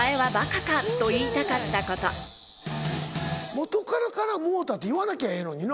元カノからもろうたって言わなきゃええのにな。